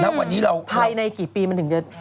ณวันนี้เราภายในกี่ปีมันถึงจะ